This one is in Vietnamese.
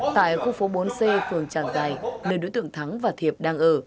tại khu phố bốn c phường tràng giài nơi đối tượng thắng và thiệp đang ở